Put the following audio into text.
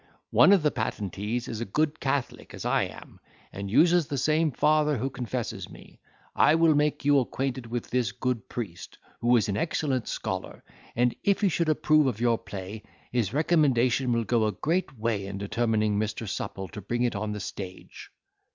One of the patentees is a good catholic, as I am, and uses the same father who confesses me. I will make you acquainted with this good priest, who is an excellent scholar, and if he should approve of your play, his recommendation will go a great way in determining Mr. Supple to bring it on the stage."